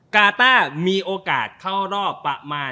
กาต้ามีโอกาสเข้ารอบประมาณ